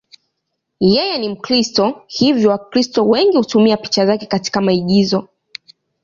Yeye ni Mkristo, hivyo Wakristo wengi hutumia picha zake katika maigizo.